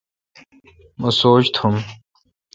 مہ سوچ تھم۔